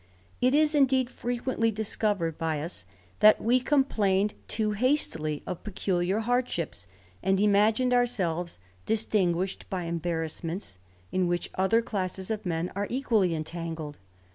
It is, indeed, frequently discovered by us, that we com plained too hastily of peculiar hardships, and imagined ourselves distinguished by embarrassments, in which other classes of men are equally entangled.